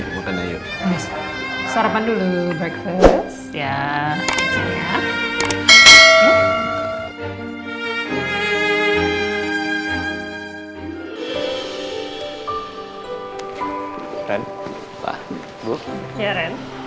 kamu tolong kawal mama saya dan rena ke kiddy house ya